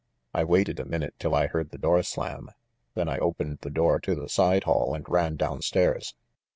I waited a minute till I heard the door slam: then I opened the door to the side hall and ran down stairs."